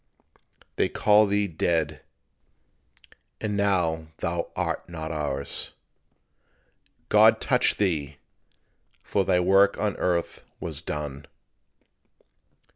They call thee dead. And now thou art not ours; "God touched thee," for thy work on earth was done.